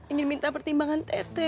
ingin minta pertimbangan tete